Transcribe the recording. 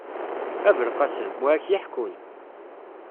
A belqasem! Wi ad k-yeḥkun.